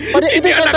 pak deh itu senter